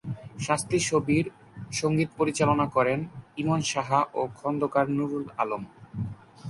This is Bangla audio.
শাস্তি ছবির সঙ্গীত পরিচালনা করেন ইমন সাহা ও খন্দকার নুরুল আলম।